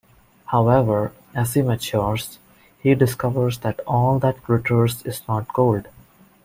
However, as he matures, he discovers that all that glitters is not gold.